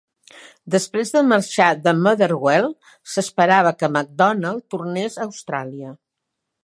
Després de marxar de Motherwell, s'esperava que McDonald tornés a Austràlia.